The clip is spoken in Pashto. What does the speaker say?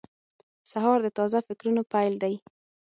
سهار د تازه فکرونو پیل دی.